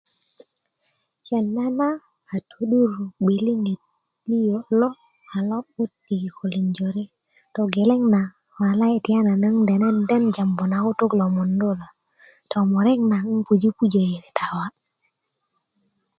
kenda na a to'dur ggwiliŋet liö lo a lo'but i kikölin jore togeleŋ na walai 'n dende jambu na kutuk lo mundu lo tomurek na 'n puji pujo kita wa